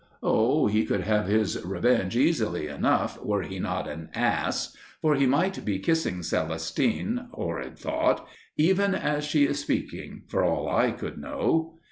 Oh, he could have his revenge easily enough, were he not an ass, for he might be kissing Celestine (horrid thought) even as she is speaking, for all I could know.